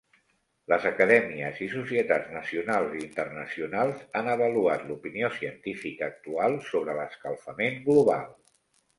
Les acadèmies i societats nacionals i internacionals han avaluat l'opinió científica actual sobre l'escalfament global.